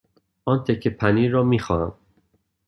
آن تکه پنیر را می خواهم.